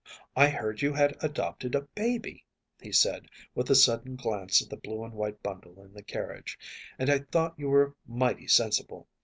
I heard you had adopted a baby,‚ÄĚ he said, with a sudden glance at the blue and white bundle in the carriage, “and I thought you were mighty sensible.